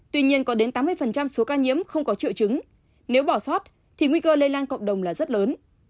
tuy nhiên có đến tám mươi số ca nhiễm không có triệu chứng nếu bỏ sót thì nguy cơ lây lan cộng đồng là rất lớn